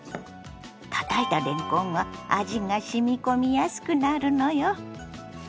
たたいたれんこんは味がしみ込みやすくなるのよ。